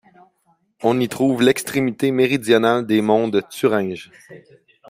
On y trouve l'extrémité méridionale des Monts de Thuringe.